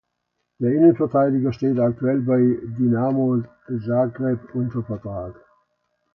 Der Innenverteidiger steht aktuell bei Dinamo Zagreb unter Vertrag.